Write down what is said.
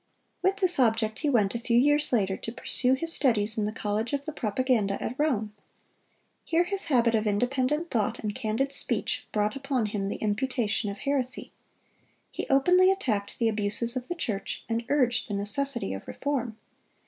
With this object he went, a few years later, to pursue his studies in the College of the Propaganda at Rome. Here his habit of independent thought and candid speech brought upon him the imputation of heresy. He openly attacked the abuses of the church, and urged the necessity of reform.